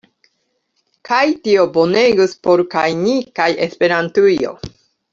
Kaj tio bonegus por kaj ni kaj Esperantujo.